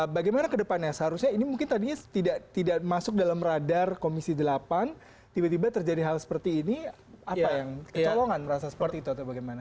bagaimana ke depannya seharusnya ini mungkin tadinya tidak masuk dalam radar komisi delapan tiba tiba terjadi hal seperti ini apa yang kecolongan merasa seperti itu atau bagaimana